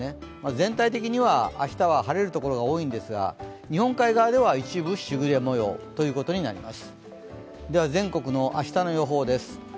全体的には明日は晴れるところが多いんですが日本海側では一部しぐれ模様となります。